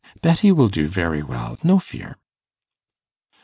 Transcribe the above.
Betty will do very well, no fear.